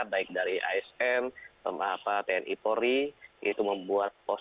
baik dari asn tni polri itu membuat pos